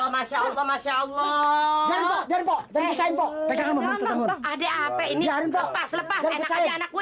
masya allah masya allah biar bisain pak ada apa ini lepas lepas enak aja anak gue